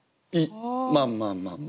まあまあまあまあ。